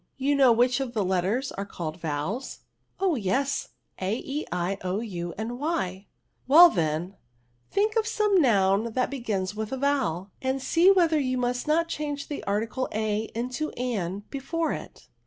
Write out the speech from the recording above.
You know which of the letters are called vowels ?"Oh, yes ; a, e, i, o, u, and y/' *' Well, then, think of some noim that begins with a vowel, and see whether you must not change the article a into an be fore it."